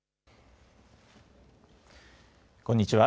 こんにちは。